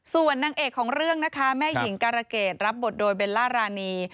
ส่วนนางเอกของเรื่องนะคะแม่หญิงการะเกดรับบทโดยเบลล่ารานี